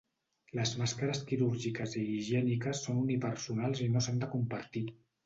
Les màscares quirúrgiques i higièniques són unipersonals i no s’han de compartir.